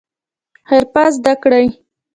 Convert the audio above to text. حرفه زده کړئ